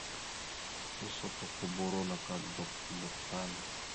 Tusotokoboro naka slop slop tan.